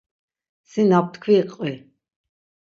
Si na ptkvi qvi.